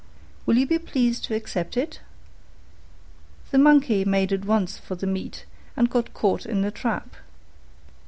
Will you be pleased to accept it?" The Monkey made at once for the meat and got caught in the trap.